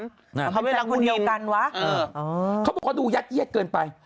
ทำไมไม่ได้รักมุนินเขาดูยัดเย็ดเกินไป